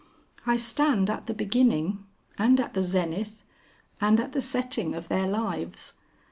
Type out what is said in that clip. I stand at the beginning, and at the zenith, and at the setting of their lives.